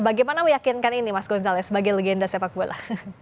bagaimana meyakinkan ini mas gonzale sebagai legenda sepak bola